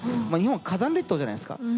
日本は火山列島じゃないですか。